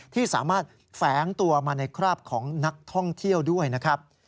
ที่สามารถแฝงตัวมาในคราบของนักท่องเที่ยวด้วยนะครับ